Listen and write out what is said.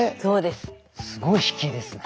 すごい引きですね。